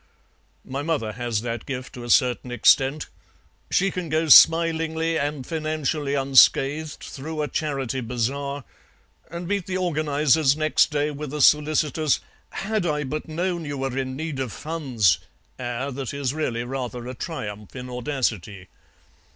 My mother has that gift to a certain extent; she can go smilingly and financially unscathed through a charity bazaar, and meet the organizers next day with a solicitous 'had I but known you were in need of funds' air that is really rather a triumph in audacity.